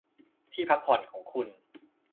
ที่พักผ่อนของคุณ